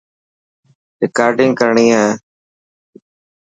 رڪارڊنگ ڪرڻي هي.